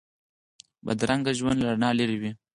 بدرنګه ژوند له رڼا لرې وي